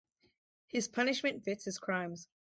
His punishment fits his crimes.